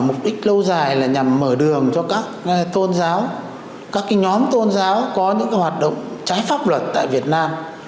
mục đích lâu dài là nhằm mở đường cho các tôn giáo các nhóm tôn giáo có những hoạt động trái pháp luật tại việt nam